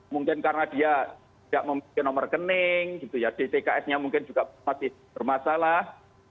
mungkin karena dia tidak memiliki nomor rekening dtks nya mungkin juga masih bermasalah